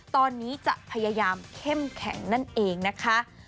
ตอนนี้จะพยายามเข้มแข็งนั่นเองนะคะ